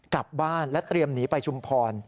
กลับบ้านและเตรียมหนีไปชุมพร